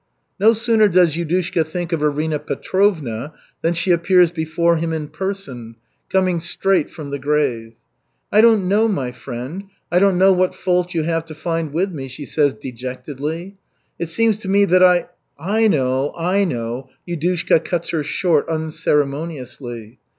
No sooner does Yudushka think of Arina Petrovna than she appears before him in person, coming straight from the grave. "I don't know, my friend, I don't know what fault you have to find with me," she says dejectedly, "it seems to me that I " "I know, I know," Yudushka cuts her short unceremoniously.